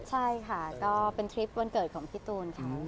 ใช่ค่ะก็เป็นทริปวันเกิดของพี่ตูนค่ะ